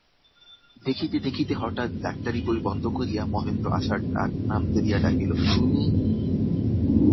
দেখিতে দেখিতে হঠাৎ ডাক্তারি বই বন্ধ করিয়া মহেন্দ্র আশার ডাক-নাম ধরিয়া ডাকিল, চুনি।